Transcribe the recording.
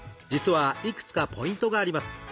実はいくつかポイントがあります。